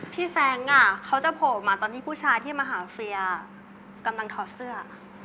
แซงเขาจะโผล่มาตอนที่ผู้ชายที่มาหาเฟียกำลังถอดเสื้อ